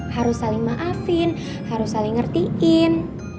harus saling maafin harus saling ngertiin